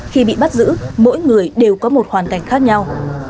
khi bị bắt giữ mỗi người đều có một hoàn cảnh khác nhau